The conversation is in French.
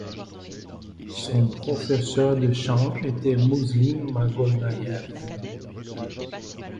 Son professeur de chant était Muslim Magomayev.